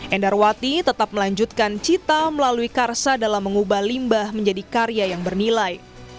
endarwati tetap melanjutkan cita melalui karsa dalam mengubah limbah menjadi karya yang bernilai